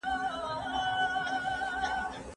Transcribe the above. په لاس لیکل د مشرانو د درناوي ښودلو وسیله ده.